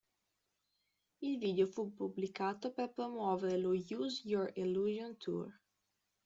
Il video fu pubblicato per promuovere lo Use Your Illusion Tour.